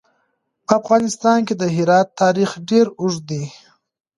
په افغانستان کې د هرات تاریخ ډېر اوږد دی.